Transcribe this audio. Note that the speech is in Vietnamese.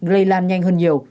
lây lan nhanh hơn nhiều